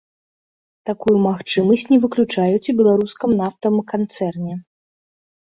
Такую магчымасць не выключаюць у беларускім нафтавым канцэрне.